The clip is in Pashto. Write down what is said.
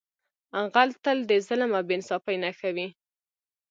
غل تل د ظلم او بې انصافۍ نښه وي